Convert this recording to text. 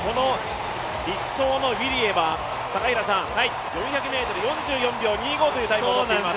１走は４００ｍ、４４秒２５というタイムを持っています。